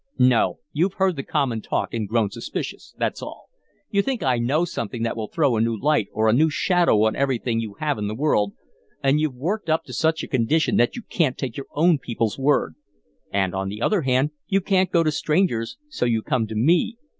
"No; you've heard the common talk and grown suspicious, that's all. You think I know something that will throw a new light or a new shadow on everything you have in the world, and you're worked up to such a condition that you can't take your own people's word; and, on the other hand, you can't go to strangers, so you come to me.